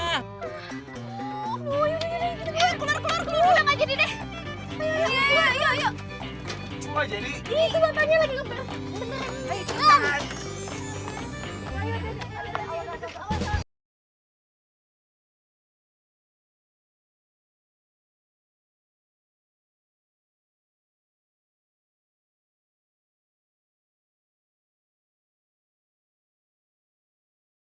aduh ayo kita keluar